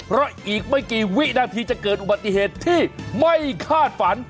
เพราะอีกไม่กี่วินาทีจะเกิดอุบัติเหตุที่ไม่คาดฝัน